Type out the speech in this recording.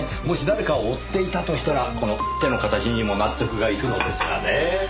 もし誰かを追っていたとしたらこの手の形にも納得がいくのですがね。